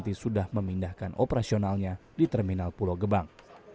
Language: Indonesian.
dan sudah memindahkan operasionalnya di terminal pulau gebang